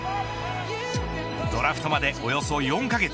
ドラフトまでおよそ４カ月。